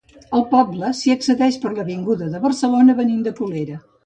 Al poble, s'hi accedeix per l'avinguda de Barcelona, venint de Colera.